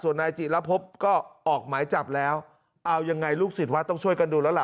นายจิระพบก็ออกหมายจับแล้วเอายังไงลูกศิษย์วัดต้องช่วยกันดูแล้วล่ะ